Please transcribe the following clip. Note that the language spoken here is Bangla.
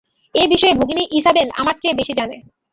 এ বিষয়ে ভগিনী ইসাবেল আমার চেয়ে বেশী জানেন।